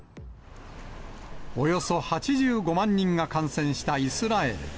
およそ８５万人が感染したイスラエル。